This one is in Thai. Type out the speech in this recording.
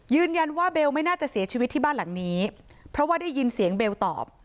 ว่าเบลไม่น่าจะเสียชีวิตที่บ้านหลังนี้เพราะว่าได้ยินเสียงเบลตอบ